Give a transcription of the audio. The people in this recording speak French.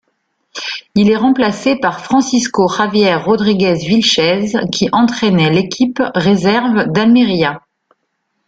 Il est remplacé par Francisco Javier Rodríguez Vílchez qui entraînait l'équipe réserve d'Almería.